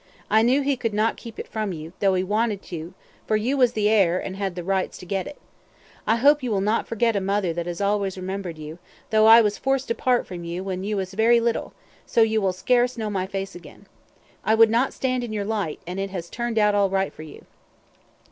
I knew he could not keep it from you, though he wanted to, for you was the hair, and had the rights to get it. I hope you will not forget a mother that has always remembered you, though I was forced to part from you when you was very little, so you will scarce know my face again. I would not stand in your light, and it has turned out all right for you.